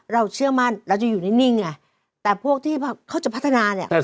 เชื่อมั่นเราจะอยู่นิ่งไงแต่พวกที่เขาจะพัฒนาเนี่ย